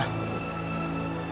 nah gitu aja